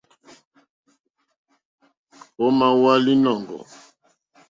Ò ma wowa linɔ̀ŋgɔ̀?